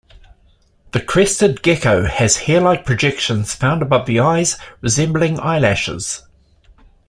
The crested gecko has hair-like projections found above the eyes, resembling eyelashes.